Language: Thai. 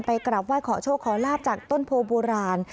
ไปกรับว่าขอโชคขอลาภจากต้นโพลโบราณ